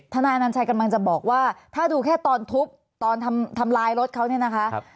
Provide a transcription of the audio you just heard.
นายอนัญชัยกำลังจะบอกว่าถ้าดูแค่ตอนทุบตอนทำลายรถเขาเนี่ยนะคะ